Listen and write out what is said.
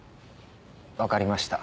分かりました。